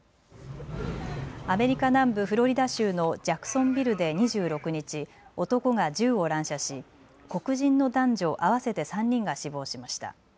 アメリカ南部フロリダ州のジャクソンビルで２６日、男が銃を乱射し黒人の男女合わせて３人が死亡しました。